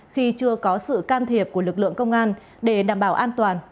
khi chưa có sự can thiệp của lực lượng công an để đảm bảo an toàn